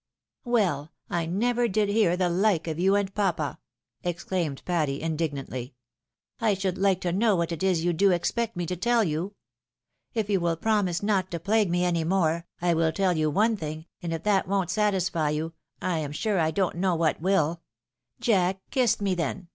" Well ! I never did hear the like of you and papa !" ex claimed Patty, indignantly ;" I should hke to know what it is you do expect me to tell you ? If you win promise not to plague me any more, I will teU you one thing, and if that won't satisfy you, 1 am sure I don't faiow what will — Jack kissed me, then